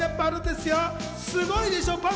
すごいでしょ？